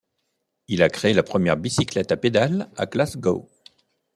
Il a créé la première bicyclette à pédales à Glasgow.